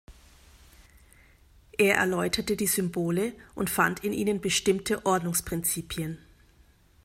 Er erläuterte die Symbole und fand in ihnen bestimmte Ordnungsprinzipien.